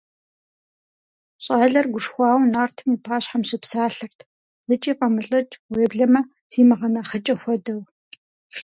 ЩӀалэр гушхуауэ нартым и пащхьэм щыпсалъэрт, зыкӀи фӀэмылӀыкӀ, уеблэмэ зимыгъэнэхъыкӀэ хуэдэу.